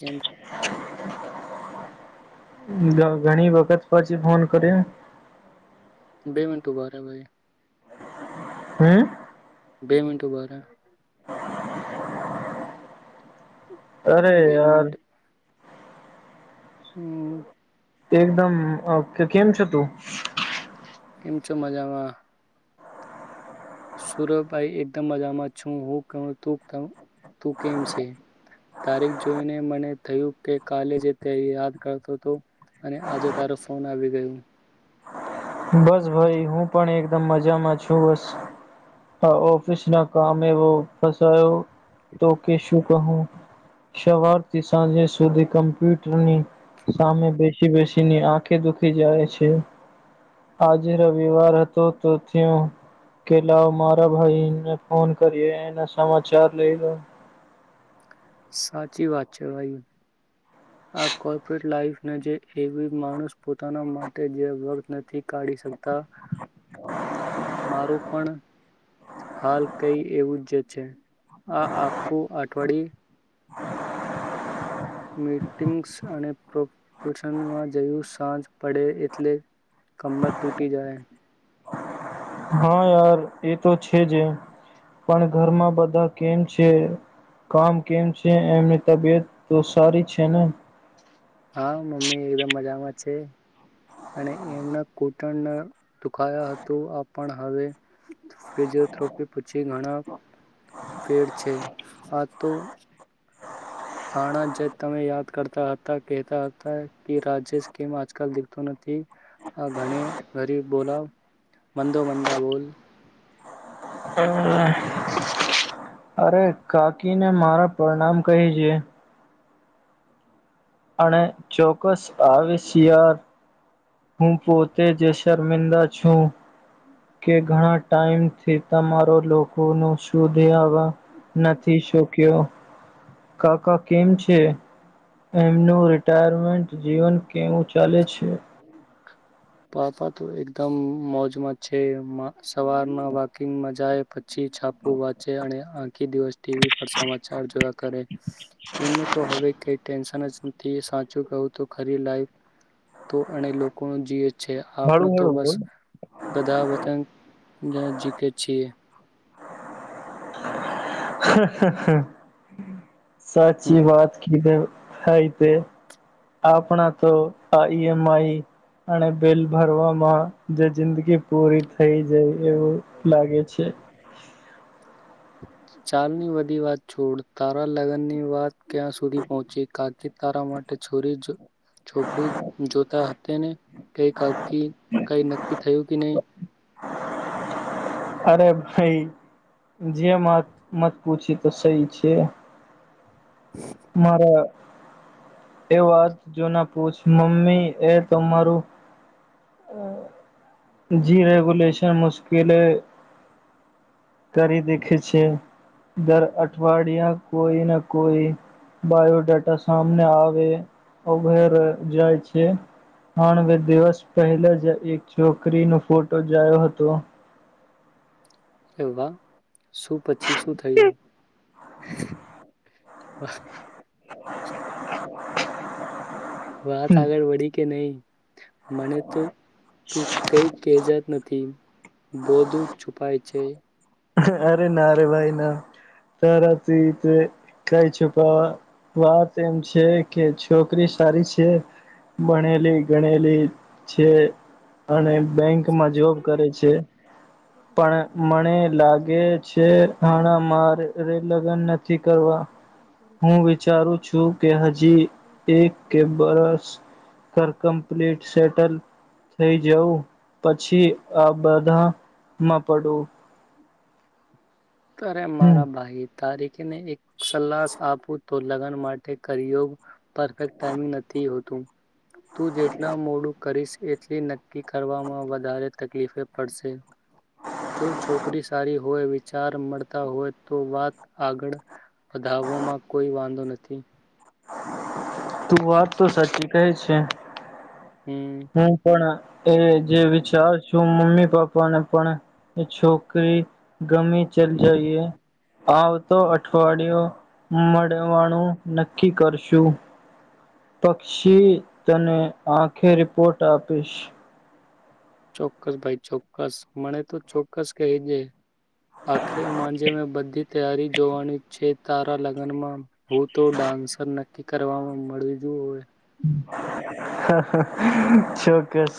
જેમ ઘણી વખત પછી ફોન કર્યો. બે મિન્ટું ઊભા રહો ભાઈ. હમ. બે મિન્ટું ઊભા રહો. અરે બે યાર. મિનિટ હમ. તે એકદમ કેમ છો તું? કેમ ચો માજામાં? સુરભભાઈ એકદમ મજામાં છું હું કે તુ તું કેમ છે? તારીખ જોઈને મને થયું કે, કાલે જે તે યાદ કરતો હતો. અને આજે તારો ફોન આવી ગયો. બસ ભાઈ. હું પણ એકદમ મજામાં છું બસ. હ ઓફિસ ના કામવો ફસો, તો કે શું કહું. સવારથી સાંજે સુધી કમ્પ્યુટરની સામે બેસી બેસીની આંખે દુખી જાય છે. આજે રવિવાર હતો તો થયો. કે લાવ મારા ભાઈને ફોન કરીએ. એના સમાચાર લઈ લો. સાચી વાત છે ભાઈ. આ કોર્પોરેટ લાઈફ જે એવી માણસ પોતાના માટે જે વર્ત નથી કાઢી શકતા. મારું પણ હાલ કઈ એવું જ છે, આ આખું અઠવાડિ મીટિંગ્સ અને પ્રોપશનમાં જયું સાંજ પડે એટલે કમર ટૂટી જાય. હા યાર એ તો છેજ, પણ ઘરમાં બધા કેમ છે? કામ કેમ છે એમની તબિયત તો સારી છે ને. હા મમ્મી એકદમ મજામાં છે. અને એમના કૂટણ દુખાયા હતું આપણ હવે પછી ઘણા ફેડ છે આ તો હાણા જે તમે યાદ કરતા હતા કહેતા હતા કે રાજેશ કેમ આજકાલ દીખતું નથી. હા ઘણે ગરીબ બોલાવ, મંદો મંદા બોલ. અરે કાકી ને મારા પરણામ કહી છે. અને ચોક્કસ આવે સિયા ર હું પોતે જ શર્મિંદા છું. કે ઘણા ટાઈમ થી તમારો લોકો ન શુધે નથી શોક્યો, કાકા કેમ છે? એમનું રિટાયરમેન્ટ જીવન કેવું ચાલે છે? પાપા તો એકદમ મોજમાં છે સવારના વોકિંગમાં જાય. છી છાપુ વાંચે અને દિવસ ટીવી પર સમાચાર જોવા કરે, એમને તો હવે કઈ ટેન્શન જ સાચું કું તો ખરી લાઈફ, તો એને લોકો ન જી છે હળુ આપણ તો હળુ બસ, બોલ. બધા વતન જીકે છીએ. હમ, સાચી વાત કધ હ તે. આપણા તો આ ઈ એમ, આઈ અને બિલ ભરવામાં જે જિંદગી પૂરી થઈ જાય એવું. લાગે છે. ચાલની બધી વાત છોડ તારા લગ્નની વાત ક્યાં સુધી પહોંચી કાર્તિક તારા માટે છોરી જ છોકરી જોતા હતા ને કઈકી કઈ નક્કી થયું કે નહી અરે ભાઈ જે મત મત પૂછી તો સહી છે મારા એ વાત જોના પૂછ મમ્મી એ તમારું જી રેગુલેશન મુશ્કેલ કરી દેખે છે દર અઠવાડિયા કોઈ ના કોઈ બાયોડેટા સામને આવે [unintelligible] જાય છે તણ બે દિવસ પહેલા જ એક છોકરીનો ફોટો જાયો હતો એવા શું પછી શું થયું? [unintelligible] [inaudible] વાત આગળ વળી કે નહી મને તો તું કઈ કેજત નથી બોધું છુપાય છે અરે ના ર ભાઈ ના તારા ત તે કઈ છુપાવા? વાત એમ છે કે છોકરી સારી છે ભણેલી ગણેલી છે અને બેંકમાં જોબ કરે છે પણ મને લાગે છે હણા મારે લગ્ન નથી કરવા હું વિચારું છું કે હજી એક કે બરસ કર કમ્પ્લીટ સેટલ થઈ જવુંં પછી આ બધામાં પડું અ્યારે હમ મારા ભાઈ તારીખને એક સલ્લાસ આપું તો લગ્ન માટે કરયોગ પરફેક્ટ ટાઈમિંગ નથી હોતું તું જેટલા મોડું કરીશ એટલી નક્કી કરવામાં વધારે તકલીફ પડશે જો છોકરી સારી હોય એવી ચાર મળતા હોય તો વાત આગળ વધાવમાં કોઈ વાંધો નથી તું વાત તો સાચી કહે છે હમ હું પણ એ જે વિચાર છું મમ્મી પપ્પા ને પણ કે છોકરી ગમેી ચલ જઈએ આવતો અઠવાડિયું મળવાનું નક્કી કરશું પક્ષી તને આંખે રિપોર્ટ આપીશ ચોક્કસ ભાઈ ચોક્કસ મને તો ચોક્કસ કહી દે આખરે માંજે મેં બધી તૈયારી જોવાની છે તારા લગ્નમાં હું તો ડાન્સર નક્કી કરવાવામાં મળી જો હોય ચોક્કસ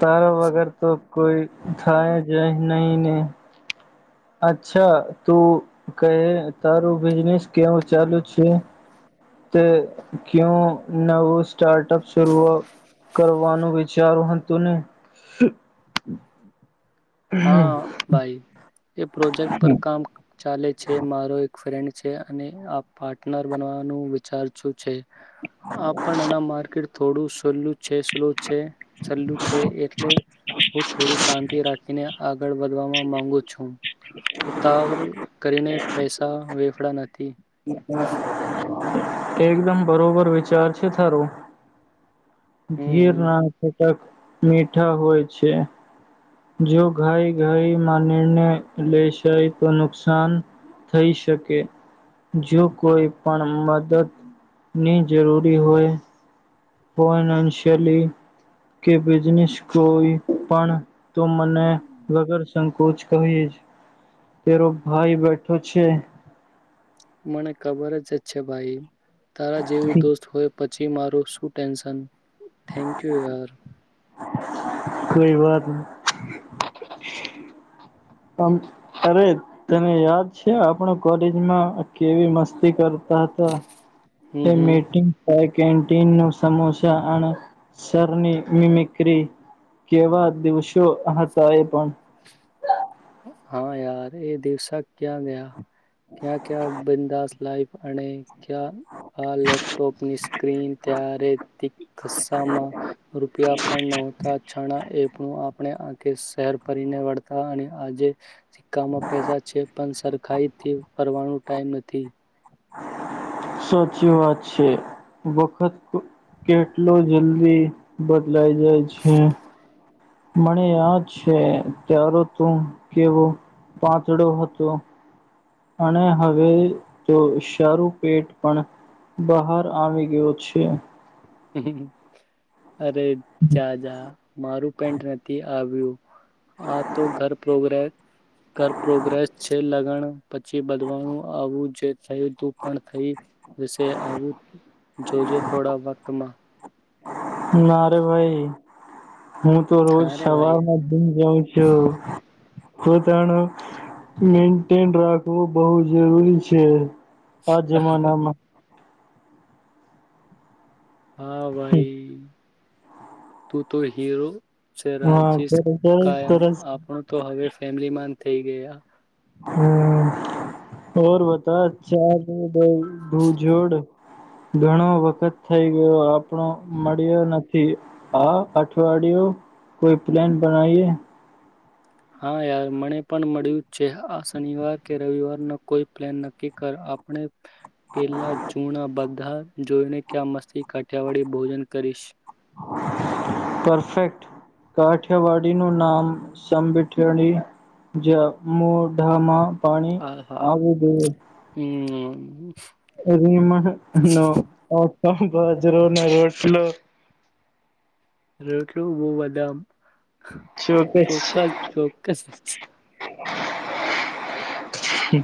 તારા વગર તો કોઈ થાય જ નહી ને અચ્છા તું કહે તારું બિઝનેસ કેવું ચાલુ છે તે કું નવો સ્ટાર્ટઅપ શરૂઓ કરવાનું વિચારું હતું ને હા ભાઈ એ પ્રોજેક્ટ પર કામ ચાલે છે મારો એક ફ્રેન્ડ છે અને આ પાર્ટનર બનવાનું વિચારું છે આપ પણ આના માર્કેટ થોડું સલ્લું છે સ્લો છે સલ્લું છે એટલે હું થોડી શાંતિ રાખીને આગળ વધવાવામાં માંગુ છું ઉતાવળ કરીને પૈસા વેફડા નથી એકદમ બરોબર વિચાર છે થારું હમ ધીર હમ ના ખટક મીઠા હોય છે જો ઘાઈ ઘાઈ મા નિર્ને લેેશાય તો નુકસાન થઈ શકે. જો કોઈ પણ મદદ ની જરૂરી હોય. ફશયલી કે બિઝનેસ કોઈ પણ. તો મને વગર સંકોચ કહી તેરો ભાઈ બેઠો છે. મને ખબર જ જ છે ભાઈ તારા જેવું દોસ્ત હોય. પછી મારું શું ટેન્શન થેન્ક યુ યાર. કોઈ વાત તમ અરે તને યાદ છે આપણ કોલેજમાં કેવી મસ્તી કરતા હતા. હમ તે હમ. મીટિંગ કેન્ટન ન સમોસા અસની મિમિકરી કેવા દિવસો હતા એ પણ હા યાર એ દિવસા ક્યાં ગયા ક્યા ક્યાં બિંદાસ લાઈ. અને ક્યા આ લેપટોપ ની સ્ક્રીન ત્યારે ખીસ્સામાં. રૂપિયા પણ નહોતા છણા એ આપણે કે શહેર ફરીને વળતા અને આજે સિકકામાં પૈસા છે પણ સરખીઈ ફરવાનો ટાઈમ નથી. [inaudible] સાચી વાત છે વખત કેટલો જલ્દી બદલાઈ જાય છે, મને યાદ છે, તારતું કેવો પાતળો હતો. અને હવે તો સારું પેટ પણ, બહાર આવી ગયો છે, અરે જાજા મારું પેન્ટ નથી આવ્યું, હાતો ઘર પ્રોગ્રેસ ઘર પ્રોગ્રેસ છે, લગ્ન પછી બદવાનું આવું જે થયું તું પણ થઈ, જ આવું જોજે થોડા વખતમાં, નારે ભાઈ હુંતો રોજ અરે ભાઈ સવારમાં, જાઉં છું પોતાનો મેન્ટેન રાખીશ. તો બહુ જરૂરી છે, આ જમાનામાં હા ભાઈ તુંતો હીરો, છે, હા રાજેશ સરસ સરસ કાયમ સરસ આપણુંતો હવે ફેમલીમાન થઇ ગયા. હા બઘા ચારભૂ જોડ. ઘણો વખત થઈ ગયો આપ, આપો મળ્યો નથી, આ અઠવાડિયુ કોઈ પ્લેન બનાવીએ. હા યાર મને પણ મળ્યું છે, આ શનિવાર કે રવિવાર ન કોઈ પ્લેન નક્કી કર આપણે. પેલા ચૂણા બધા જોઈને ક્યાં મસ્તી કાઠિયાવાડી ભોજન કરીશ. [inaudible] પરફેક્ટ કાઠિયાવાડીનું નામ સાગઠીયાણી, જે મોઢમાં, હ, હા, હું એમાંના ઓટ બાજરોના રોટલો, રોટલુ હું બધામમ. શું પેસ છે. ચોક્કસ હું.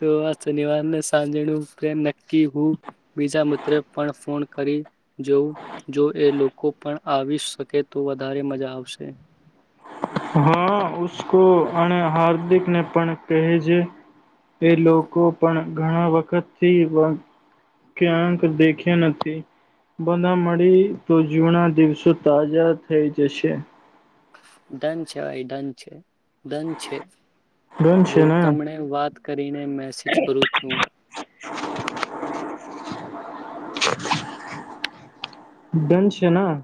તોઆ શનિવારને સાંજેનું પ્રેમ, કેહું બીજા મિત્ર પણ ફોન કરી. જોવ જોએ લોકો પણ આવી શકેતો વધારે મજા આવશે, હા ઉસકો અને હાર્દિકને પણ કહેજે. એ લોકો પણ ઘણા વખતથી ક્યાંક દેખ્યા નથી. બધા મળી તો જૂના દિવસો તાજા થઈ જશે. દંન છે, ભાઈ દંન છે, ડન છે, ડન છે હું ને તમને વાત. કરીને મેસેજ કરું છું. ડન છે ના?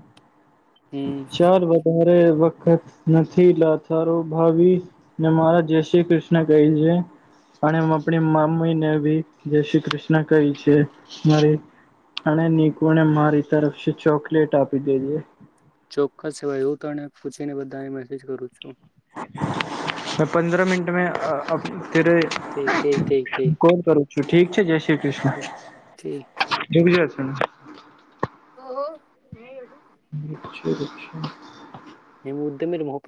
હમ ચાલ વધારે વખત નથી, લાચારો ભાવિ. ને મારા જય શ્રી કૃષ્ણ કહેજે. અને આપણી મામીને ભી જય શ્રી કૃષ્ણ કહી છે, મારી અને નિકુને મારી તરફથી ચોકલેટ આપી દેજે. ચોક્કસ ભાઈ હું તને પૂછીને બધાએ મેસેજ કરું છું. મે પંદર મિનટ મેં અ ફરે. ઠીક ઠીક ઠીક હું ઠીક કોલ કરું છું, ઠીક છે. જય શ્રી ઠીક કૃષ્ણ. ઠીક [inaudible] ઓહ હો [inaudible] અચ્છા અચ્છા. [inaudible]